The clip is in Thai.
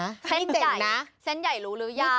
นี่เจ๋งนะเซ่นใหญ่รู้รึยัง